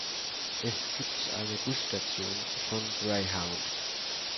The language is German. Es gibt eine Busstation von Greyhound.